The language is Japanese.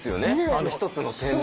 あの１つの点で。